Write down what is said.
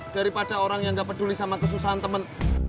daripada orang yang nggak peduli sama kesusahan temen